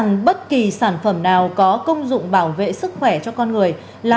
nhưng sản phẩm đó có công dụng bảo vệ sức khỏe cho con người